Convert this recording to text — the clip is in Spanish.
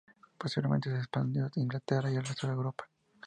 Posteriormente se expandió a Inglaterra y el resto de Europa.